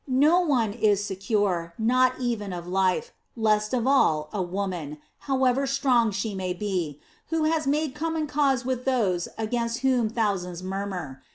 No one is secure, not even of life, least of all a woman, however strong she may be, who has made common cause with those against whom thousands murmur.